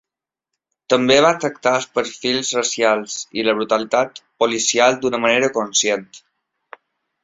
També va tractar els perfils racials i la brutalitat policial d'una manera conscient.